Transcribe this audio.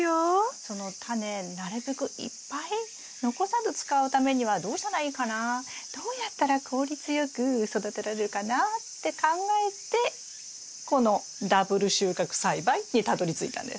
そのタネなるべくいっぱい残さず使うためにはどうしたらいいかなどうやったら効率よく育てられるかなって考えてこのダブル収穫栽培にたどりついたんです。